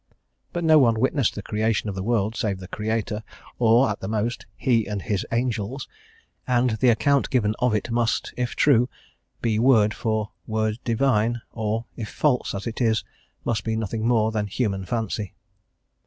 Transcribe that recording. But no one witnessed the creation of the world, save the Creator, or, at the most, He and His angels, and the account given of it must, if true, be word for word divine; or, if false as it is must be nothing more than human fancy.